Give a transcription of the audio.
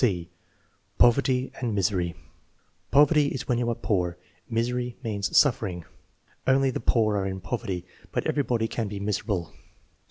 (c) Poverty and misery. "Poverty is when you are poor; misery means suffering." "Only the poor are in poverty, but everybody can be miserable."